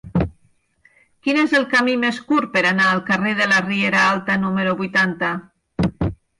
Quin és el camí més curt per anar al carrer de la Riera Alta número vuitanta?